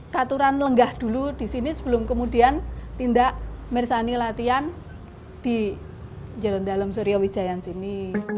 katuran lenggah dulu di sini sebelum kemudian tindak mersani latihan di jalan dalem surya wijayan sini